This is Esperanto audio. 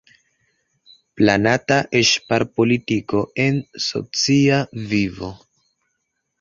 Planata ŝparpolitiko en socia vivo.